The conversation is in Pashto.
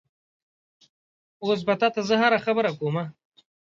اوس به تا ته زه هره خبره کومه؟